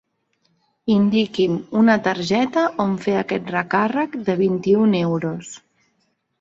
Indiqui'm una targeta on fer aquest recàrrec de vint-i-un euros.